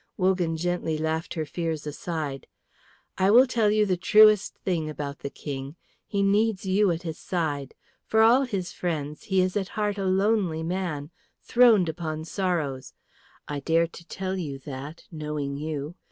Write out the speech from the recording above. Wogan gently laughed her fears aside. "I will tell you the truest thing about the King. He needs you at his side. For all his friends, he is at heart a lonely man, throned upon sorrows. I dare to tell you that, knowing you.